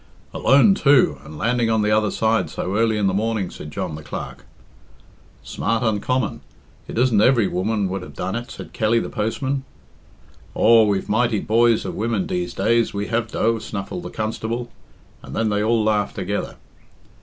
"Alone, too, and landing on the other side so early in the morning," said John the Clerk. "Smart, uncommon! It isn't every woman would have done it," said Kelly the Postman. "Aw, we've mighty boys of women deese days we have dough," snuffled the constable, and then they all laughed together.